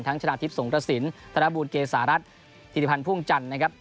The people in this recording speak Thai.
ทั้งชนะทิพย์สงฆศิลป์ธนบูรณ์เกษารัฐธิริพันธ์ภูมิจันทร์นะครับ